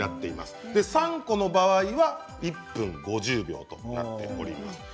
３個の場合は１分５０秒となっております。